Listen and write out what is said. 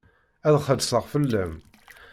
Ad xellṣeɣ fell-am.